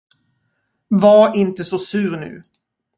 Var inte så sur nu.